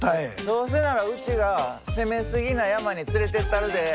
どうせならうちが攻めすぎな山に連れてったるで。